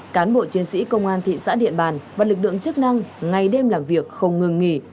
cán bộ chiến sĩ công an thị xã điện bàn và lực lượng chức năng ngày đêm làm việc không ngừng nghỉ